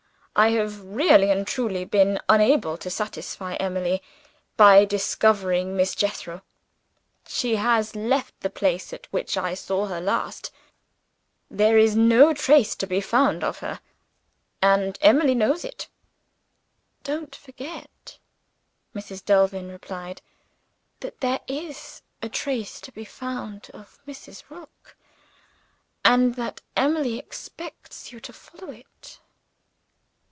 I have, really and truly, been unable to satisfy Emily by discovering Miss Jethro. She has left the place at which I saw her last there is no trace to be found of her and Emily knows it." "Don't forget," Mrs. Delvin replied, "that there is a trace to be found of Mrs. Rook, and that Emily expects you to follow it."